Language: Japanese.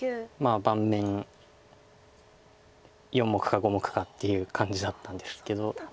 盤面４目か５目かっていう感じだったんですけど。